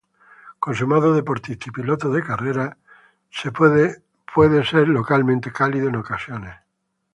Consumado deportista y piloto de carreras, puede ser locamente cálido en ocasiones.